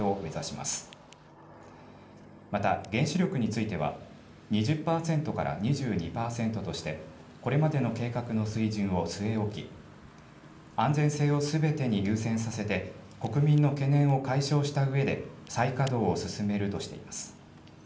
また原子力については２０％から２２％としてこれまでの計画の水準を据え置き安全性をすべてに優先させて国民の懸念を解消したうえで再稼働を進めるとしています。